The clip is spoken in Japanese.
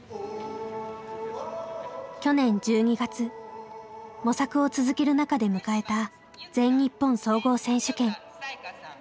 去年１２月模索を続ける中で迎えた全日本総合選手権。